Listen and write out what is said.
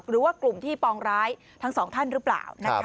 หรือว่ากลุ่มที่ปองร้ายทั้งสองท่านหรือเปล่า